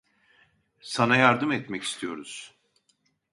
Sana yardım etmek istiyoruz.